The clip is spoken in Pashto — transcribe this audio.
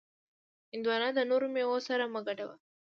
هندوانه د نورو میوو سره مه ګډوه.